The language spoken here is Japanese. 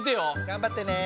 がんばってね！